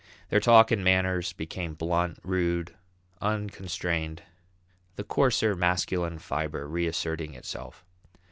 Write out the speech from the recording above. Their talk and manners became blunt, rude, unconstrained, the coarser masculine fibre reasserting itself.